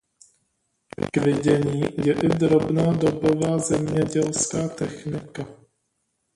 K vidění je i drobná dobová zemědělská technika.